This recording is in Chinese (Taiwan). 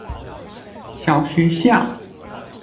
小學校